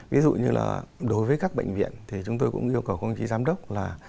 ví dụ như là đối với các bệnh viện thì chúng tôi cũng yêu cầu công chí giám đốc là